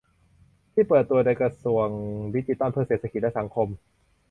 ที่เปิดตัวโดยกระทรวงดิจิทัลเพื่อเศรษฐกิจและสังคม